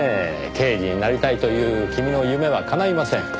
刑事になりたいという君の夢はかないません。